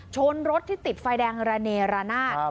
ชนรถที่ติดไฟแดงระเนระนาด